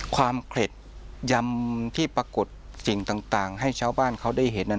เคล็ดยำที่ปรากฏสิ่งต่างให้ชาวบ้านเขาได้เห็นนั้น